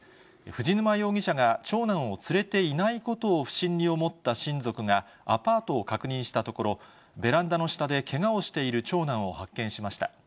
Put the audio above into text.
藤沼容疑者が長男を連れていないことを不審に思った親族が、アパートを確認したところ、ベランダの下でけがをしている長男を発見しました。